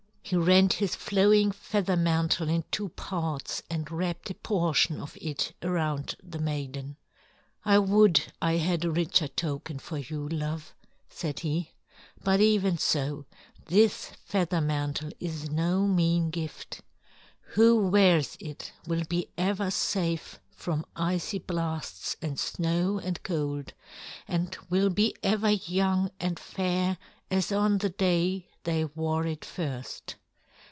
He rent his flowing feather mantle in two parts and wrapped a portion of it around the maiden. "I would I had a richer token for you, love," said he. "But even so; this feather mantle is no mean gift. Who wears it will be ever safe from icy blasts and snow and cold and will be ever young and fair as on the day they wore it first.